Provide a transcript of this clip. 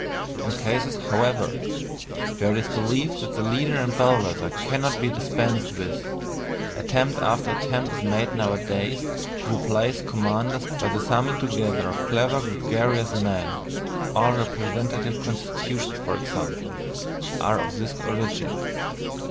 In cases, however, where it is believed that the leader and bell wether cannot be dispensed with, attempt after attempt is made nowadays to replace commanders by the summing together of clever gregarious men all representative constitutions, for example, are of this origin.